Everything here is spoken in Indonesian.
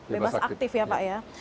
bebas aktif ya pak ya